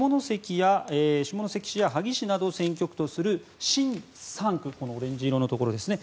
下関市や萩市などを選挙区とする新３区オレンジ色のところですね。